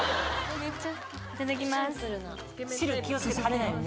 いただきます。